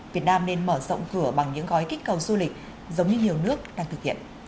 việt nam nên mở rộng cửa bằng những gói kích cầu du lịch giống như nhiều nước đang thực hiện